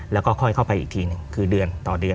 แล้วก็ค่อยเข้าไปอีกทีหนึ่งคือเดือนต่อเดือน